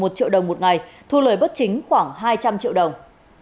một triệu đồng một ngày thu lời bất chính khoảng hai trăm linh triệu đồng